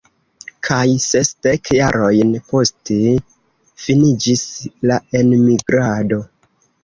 Kaj sesdek jarojn poste finiĝis la enmigrado.